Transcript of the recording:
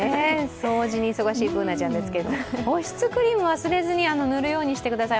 掃除に忙しいＢｏｏｎａちゃんですけれども、保湿クリーム忘れずに塗るようにしてください。